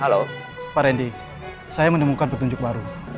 halo pak randy saya menemukan petunjuk baru